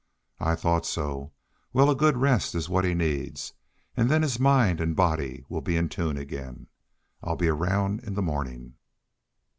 "I thought so. Well, a good rest is what he needs, and then his mind and body will be in tune again. I'll be around in the morning."